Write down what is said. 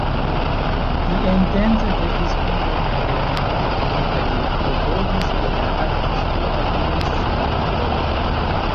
Li intence verkis kontraŭ modernaj modoj kaj klopodis ke la artistoj aliris la popolon.